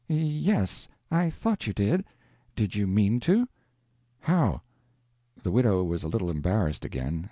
"Y es, I thought you did: Did you mean to?" "How?" The widow was a little embarrassed again.